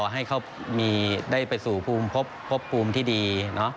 ให้เขาได้ไปสู่ภูมิพบภูมิที่ดี